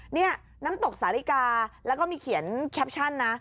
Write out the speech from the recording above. นี่น้ำตกสาฬิกาแล้วก็มีเขียนแคปชั่นนะ